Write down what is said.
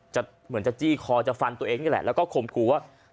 เหมือนจะจี้คอจะฟันตัวเองนี่แหละแล้วก็ข่มขู่ว่า